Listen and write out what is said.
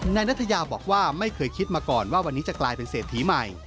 นายนัทยาบอกว่าไม่เคยคิดมาก่อนว่าวันนี้จะกลายเป็นเศรษฐีใหม่